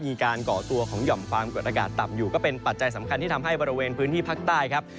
ก่อตัวของหย่อมความกดอากาศต่ำอยู่ก็เป็นปัจจัยสำคัญที่ทำให้บริเวณพื้นที่ภาคใต้ครับ